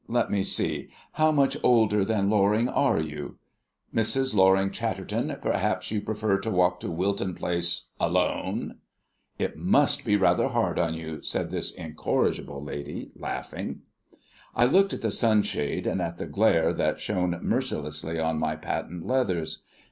Let me see, how much older than Loring are you?" "Mrs. Loring Chatterton, perhaps you prefer to walk to Wilton Place alone?" "It must be rather hard on you," said this incorrigible lady, laughing. I looked at the sunshade and at the glare that shone mercilessly on my patent leathers.